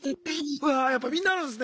うわやっぱみんなあるんすね。